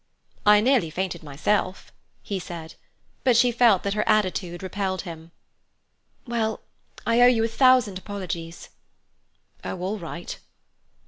"I nearly fainted myself," he said; but she felt that her attitude repelled him. "Well, I owe you a thousand apologies." "Oh, all right."